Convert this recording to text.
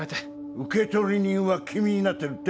受取人は君になってるって？